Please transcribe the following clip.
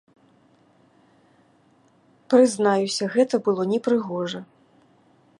Прызнаюся, гэта было непрыгожа.